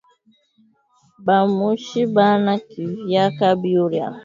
Ba mushi bana kuryaka byura